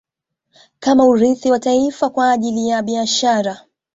Kama urithi kwa taifa na kwa ajili ya Biashara